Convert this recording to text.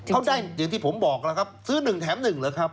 เขาได้อย่างที่ผมบอกล่ะครับซื้อหนึ่งแถมหนึ่งล่ะครับ